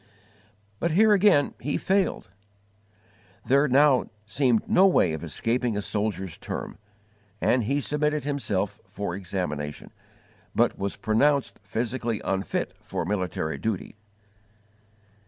But here again he failed. There now seemed no way of escaping a soldier's term, and he submitted himself for examination, but was pronounced physically unfit for military duty.